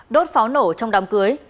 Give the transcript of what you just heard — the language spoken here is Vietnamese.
đốt pháo nổ trong đám cưới